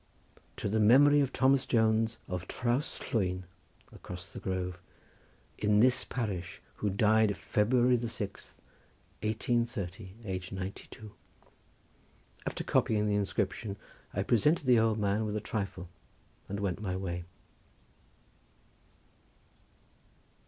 To the Memory of Thomas Jones Of Traws Llwyn (across the Grove) in this parish who died February the sixth, 1830. Aged 92. After copying the inscription I presented the old man with a trifle and went my way.